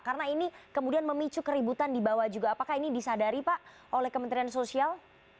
karena ini kemudian memicu keributan di bawah juga apakah ini disadari pak oleh kementerian sosial